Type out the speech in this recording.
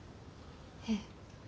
ええ。